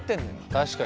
確かに。